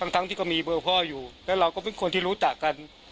ทั้งที่ก็มีเบอร์พ่ออยู่แล้วเราก็เป็นคนที่รู้จักกัน